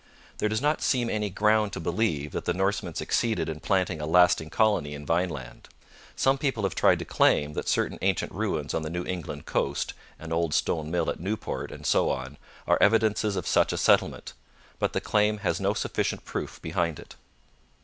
There does not seem any ground to believe that the Norsemen succeeded in planting a lasting colony in Vineland. Some people have tried to claim that certain ancient ruins on the New England coast an old stone mill at Newport, and so on are evidences of such a settlement. But the claim has no sufficient proof behind it.